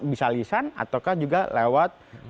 bisa lisan ataukah juga lewat